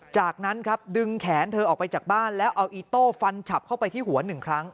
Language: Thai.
จากนั้นครับดึงแขนเธอออกไปจากบ้านแล้วเอาอีโต้ฟันฉับเข้าไปที่หัวหนึ่งครั้ง